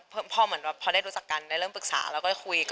พอเหมือนแบบพอได้รู้จักกันได้เริ่มปรึกษาแล้วก็คุยกัน